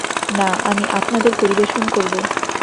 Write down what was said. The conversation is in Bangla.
না, আমি আপনাদের পরিবেশন করব।